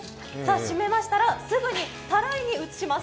締めましたら、すぐにたらいに移します。